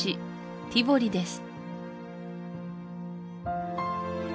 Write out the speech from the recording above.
ティボリです